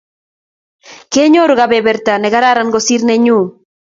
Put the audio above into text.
Kenyoru kebeberta nekararan kosir nanyu